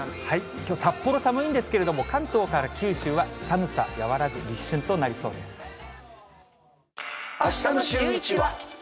きょう、札幌寒いんですけれども、関東から九州は寒さ和らぐあしたのシューイチは。